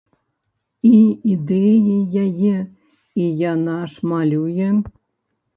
І ідэі яе, і яна ж малюе.